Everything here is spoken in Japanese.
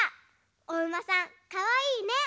おうまさんかわいいね。